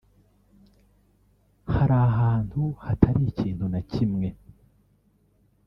hari ahantu hatari ikintu na kimwe